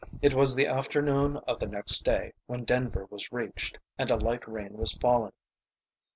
It was the afternoon of the next day when Denver was reached, and a light rain was falling.